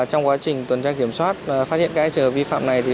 trong quá trình tuần tra kiểm soát phát hiện các trường hợp vi phạm này